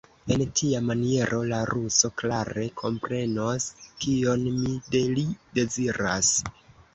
En tia maniero la ruso klare komprenos, kion mi de li deziras.